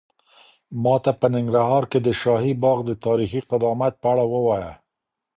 ماته په ننګرهار کې د شاهي باغ د تاریخي قدامت په اړه ووایه.